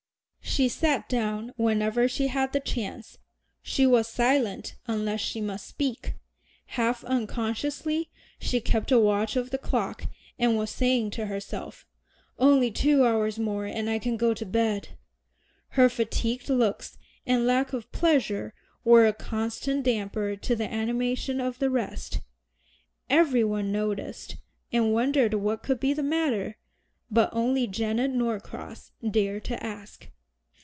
She sat down whenever she had the chance, she was silent unless she must speak; half unconsciously she kept a watch of the clock and was saying to herself, "Only two hours more and I can go to bed." Her fatigued looks and lack of pleasure were a constant damper to the animation of the rest. Every one noticed, and wondered what could be the matter; but only Janet Norcross dared to ask.